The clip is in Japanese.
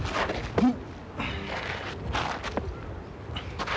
うん。